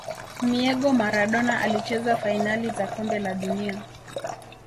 miego Maradona alicheza fainali za kombe la dunia